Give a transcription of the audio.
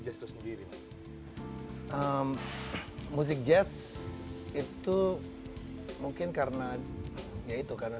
jadi ngalir dalam kehidupan sehari hari